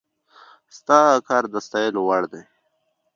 ستا کار د ستايلو وړ دی